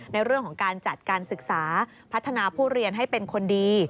ในเรื่องของการจัดการศึกษาพัฒนาผู้เรียนให้เป็นคนดี